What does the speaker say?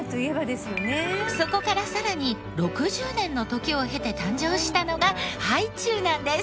そこからさらに６０年の時を経て誕生したのがハイチュウなんです。